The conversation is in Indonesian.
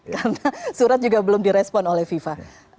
karena surat juga belum direspon oleh fifa